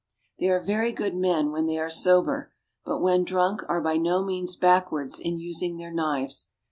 They are very good men when they are sober, but when drunk are by no means backward in using their knives.